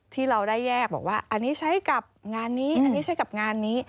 ที่เราได้แยกบอกว่าอันนี้ใช้กับงานนี้